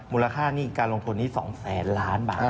มูลค่าการลงทุนนี้๒๐๐ล้านบาทนะครับ